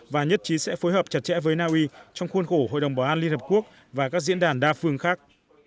và nhất trí sẽ phối hợp chặt chẽ với naui trong khuôn khổ hội đồng bảo an liên hợp quốc và các diễn đàn đa phương khác